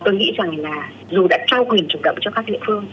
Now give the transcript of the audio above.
tôi nghĩ rằng là dù đã trao quyền chủ động cho các địa phương